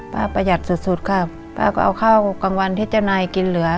ประหยัดสุดสุดค่ะป้าก็เอาข้าวกลางวันที่เจ้านายกินเหลือ